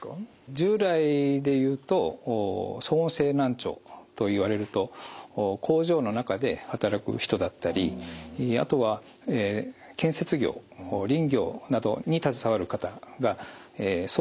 従来でいうと騒音性難聴といわれると工場の中で働く人だったりあとは建設業林業などに携わる方が騒音の職場でですね